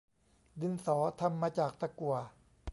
ดินสอทำมาจากตะกั่ว